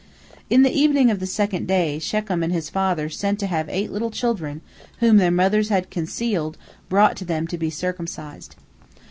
In the evening of the second day, Shechem and his father sent to have eight little children whom their mothers had concealed brought to them to be circumcised.